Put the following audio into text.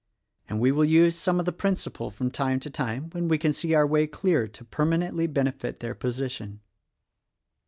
And we will use some of the principal from time to time when we can see our way clear to permanently benefit their position."